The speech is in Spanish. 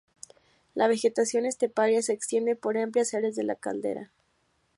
La vegetación esteparia se extiende por amplias áreas de la caldera.